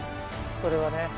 それはね。